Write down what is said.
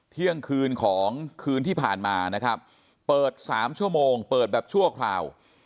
เที่ยงคืนของคืนที่ผ่านมานะครับเปิด๓ชั่วโมงเปิดแบบชั่วคราว